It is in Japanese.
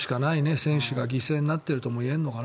選手が犠牲になってるとも言えるのかな。